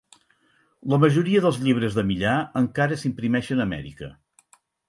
La majoria dels llibres de Millar encara s'imprimeixen a Amèrica.